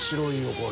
これ。